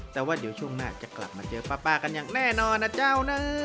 แต่ว่าเดี๋ยวช่วงหน้าจะกลับมาเจอป้ากันอย่างแน่นอนนะเจ้านะ